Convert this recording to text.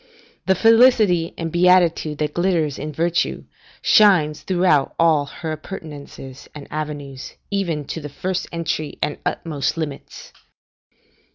The felicity and beatitude that glitters in Virtue, shines throughout all her appurtenances and avenues, even to the first entry and utmost limits.